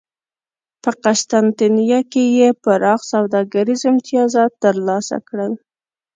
په قسطنطنیه کې یې پراخ سوداګریز امتیازات ترلاسه کړل